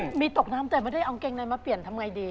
ชุดยี่นสีตกล้าน้ำแต่ไม่ได้เอาเกงน้ำมาเปลี่ยนทำยังไงดี